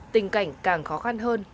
tình cảnh càng khó khăn hơn